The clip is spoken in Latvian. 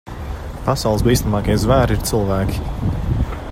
Pasaules bīstamākie zvēri ir cilvēki.